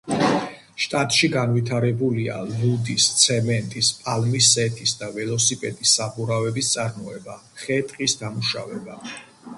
შტატში განვითარებულია ლუდის, ცემენტის, პალმის ზეთის და ველოსიპედის საბურავების წარმოება, ხე-ტყის დამუშავება.